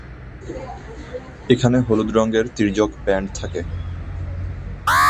এখানে হলুদ রঙের তির্যক ব্যান্ড থাকে।